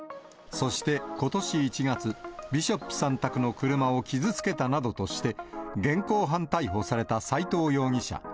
そしてことし１月、ビショップさん宅の車を傷つけたなどとして、現行犯逮捕された斎藤容疑者。